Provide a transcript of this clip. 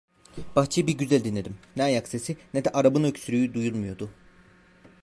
Bahçeyi bir güzel dinledim: Ne ayak sesi, ne de Arap'ın öksürüğü duyulmuyordu.